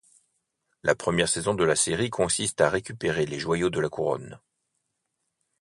La première saison de la série consiste à récupérer les joyaux de la couronne.